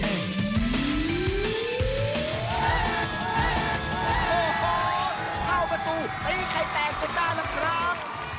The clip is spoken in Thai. โอ้โฮเข้าประตูนี่ใครแตกจนได้แล้วครับ